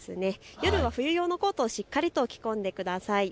夜は冬用のコートをしっかりと着込んでください。